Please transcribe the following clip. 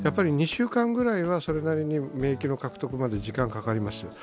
２週間ぐらいはそれなりに免疫の獲得までに時間がかかります。